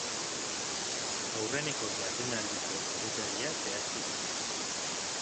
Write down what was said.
Aurreneko jardunaldiko egutegia zehaztu dute.